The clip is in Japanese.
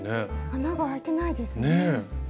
穴があいてないですね。